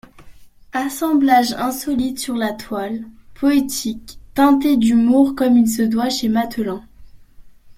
Assemblages insolites sur la toile, poétiques, teintés d’humour comme il se doit chez Mathelin.